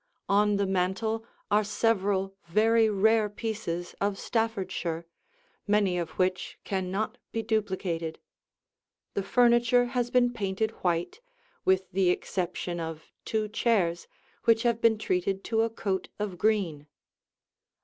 On the mantel are several very rare pieces of Staffordshire, many of which can not be duplicated. The furniture has been painted white, with the exception of two chairs which have been treated to a coat of green.